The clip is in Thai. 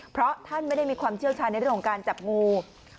เพราะท่านไม่ได้มีความเชี่ยวชาญในเรื่องของการจับงู